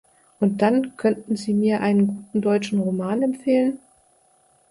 Und dann, könnten Sie mir einen guten deutschen Roman empfehlen?